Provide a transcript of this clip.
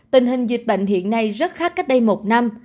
tình hình dịch bệnh hiện nay rất khác cách đây một năm